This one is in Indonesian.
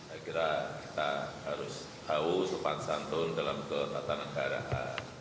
akhirnya kita harus tahu supansantun dalam ketatanegaraan